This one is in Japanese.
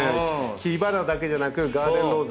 切り花だけじゃなくガーデンローズで。